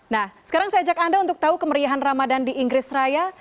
nah sekarang saya ajak anda untuk tahu kemeriahan ramadan di inggris raya